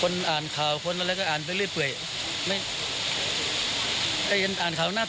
ไม่ไม่เจอไม่เร็วไม่อยากรู้จัก